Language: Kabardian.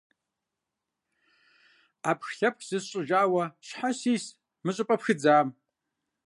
Ӏэпхлъэпх зысщӀыжауэ щхьэ сис мы щӀыпӀэ пхыдзам?